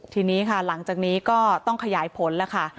ทีนี้ค่ะหลังจากนี้ก็ต้องขยายผลแล้วค่ะ